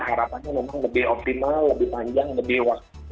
harapannya memang lebih optimal lebih panjang lebih waktu